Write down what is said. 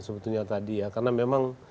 sebetulnya tadi ya karena memang